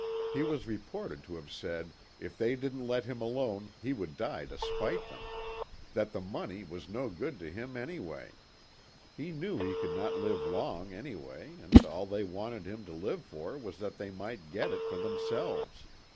He was re ported to have said if they didn't let him alone he would die to spite them that the money was no good to him any way he knew he could not live long any way and all they wanted him to live for was that they might get it for themselves.